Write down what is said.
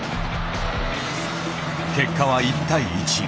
結果は１対１。